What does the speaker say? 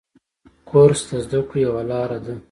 کورس د زده کړو یوه لاره ده.